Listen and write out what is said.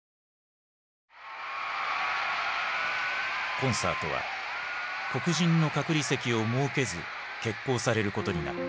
コンサートは黒人の隔離席を設けず決行されることになった。